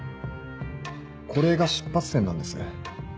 これが出発点なんです。